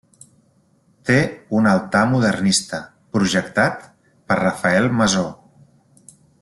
Té un altar modernista, projectat per Rafael Masó.